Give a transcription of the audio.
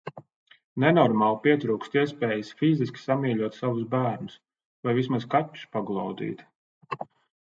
Nenormāli pietrūkst iespējas fiziski samīļot savus bērnus... Vai vismaz kaķus paglaudīt...